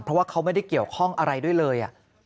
เพราะว่าเขาไม่ได้เกี่ยวข้องอะไรด้วยเลย